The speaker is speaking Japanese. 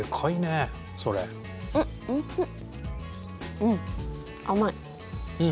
うん甘い。